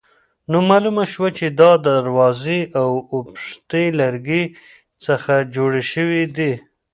نو معلومه شوه چې دا دروازې له اوبښتي لرګي څخه جوړې شوې دي.